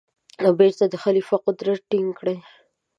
او بېرته د خلیفه قدرت ټینګ کړي.